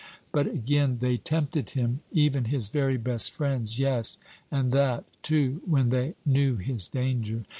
But again they tempted him even his very best friends; yes, and that, too, when they knew his danger.